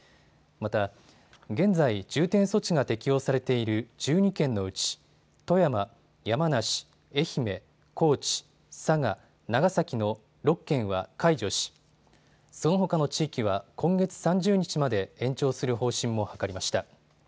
また現在、重点措置が適用されている１２県のうち富山、山梨、愛媛、高知、佐賀、長崎の６県は解除しそのほかの地域は今月３０日まで延長する方針も諮りました。